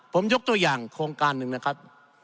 ผมยกตัวอย่างโครงการหนึ่งนะครับ